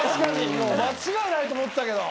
もう間違いないと思ったけど。